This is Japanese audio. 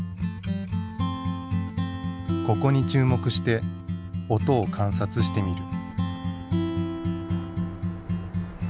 ここに注目して音を観察してみる。